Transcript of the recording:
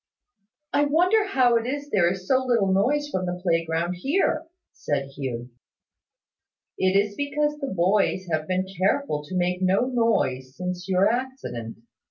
"I wonder how it is there is so little noise from the playground here," said Hugh. "It is because the boys have been careful to make no noise since your accident.